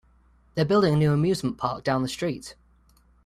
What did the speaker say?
They're building a new amusement park down the street.